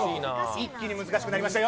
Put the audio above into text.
一気に難しくなりましたよ。